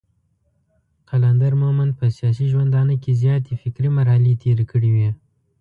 قلندر مومند په سياسي ژوندانه کې زياتې فکري مرحلې تېرې کړې وې.